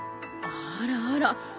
あらあら。